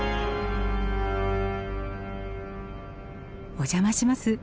お邪魔します。